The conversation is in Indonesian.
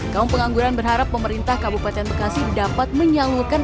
kaum pengangguran berharap pemerintah kabupaten bekasi dapat menyalurkan